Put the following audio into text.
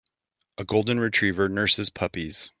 A golden retriever nurses puppies.